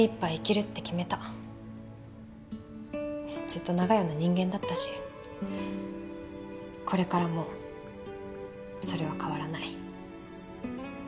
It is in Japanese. ずっと長屋の人間だったしこれからもそれは変わらない。